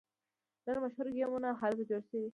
ډیر مشهور ګیمونه هلته جوړ شوي.